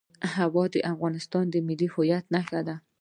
هوا د افغانستان د ملي هویت نښه ده.